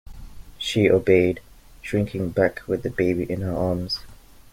She obeyed, shrinking back with the baby in her arms.